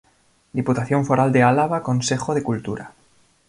Diputación Foral de Álava Consejo de Cultura.